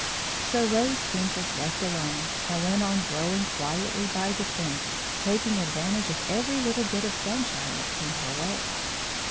So Rose Pink was left alone, and went on growing quietly by the fence, taking advantage of every little bit of sunshine that came her way.